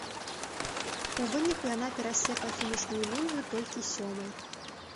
У выніку яна перасекла фінішную лінію толькі сёмай.